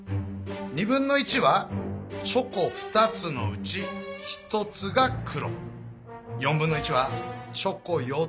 1/4はチョコ４つのうち１つが黒。